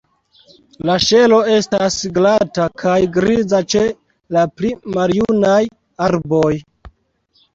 La ŝelo estas glata kaj griza ĉe la pli maljunaj arboj.